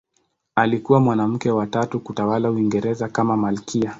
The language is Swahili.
Alikuwa mwanamke wa tatu kutawala Uingereza kama malkia.